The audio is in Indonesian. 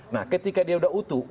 nah ketika dia sudah utuh